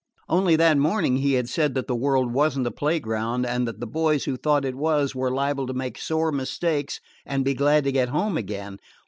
Only that morning he had said that the world was n't a play ground, and that the boys who thought it was were liable to make sore mistakes and be glad to get home again.